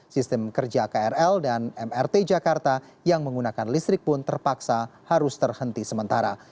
sistem kerja krl dan mrt jakarta yang menggunakan listrik pun terpaksa harus terhenti sementara